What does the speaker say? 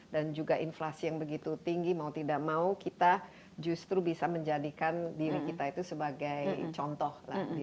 dan juga inflasi yang begitu tinggi mau tidak mau kita justru bisa menjadikan diri kita itu sebagai contoh